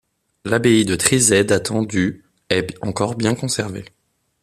L'abbaye de Trizay datant du est encore bien conservée.